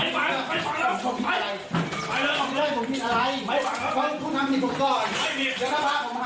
ไปเร็วออกไปเร็ว